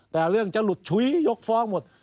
แต่เรื่องจะหลุดฉุยยกฟ้องหมด